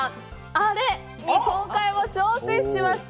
あれに今回も挑戦しました。